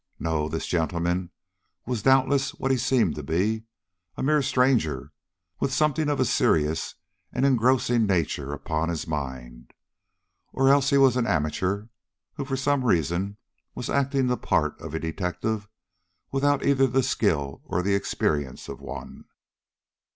No; this gentleman was doubtless what he seemed to be, a mere stranger, with something of a serious and engrossing nature upon his mind, or else he was an amateur, who for some reason was acting the part of a detective without either the skill or experience of one.